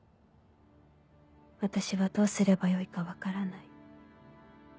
私はどうすればよいか分からない」。